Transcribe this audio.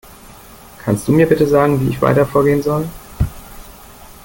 Kannst du mir bitte sagen, wie ich weiter vorgehen soll?